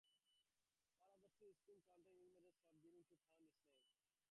One of the two springs contained lithium salts, giving the town its name.